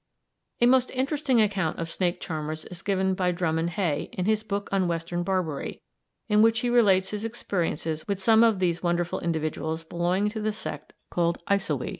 A most interesting account of snake charmers is given by Drummond Hay, in his book on Western Barbary, in which he relates his experiences with some of these wonderful individuals belonging to the sect called Eisowy.